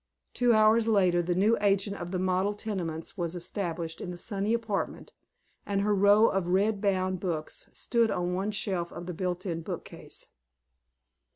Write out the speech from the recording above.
Two hours later the new agent of the model tenements was established in the sunny apartment and her row of red bound books stood on one shelf of the built in bookcase.